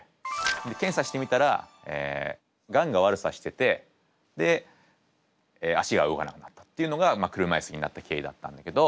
検査してみたらがんが悪さしててで足が動かなくなったっていうのが車いすになった経緯だったんだけど。